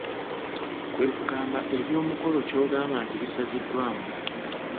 Kwe kugamba eby'omukolo ky'ogamba nti bisaziddwamu?